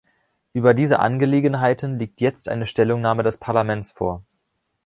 Über diese Angelegenheiten liegt jetzt eine Stellungnahme des Parlaments vor.